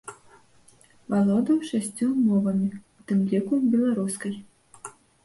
Валодаў шасцю мовамі, у тым ліку беларускай.